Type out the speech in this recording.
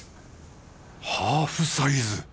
ハーフサイズ？